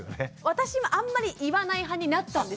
私もあんまり言わない派になったんですよ。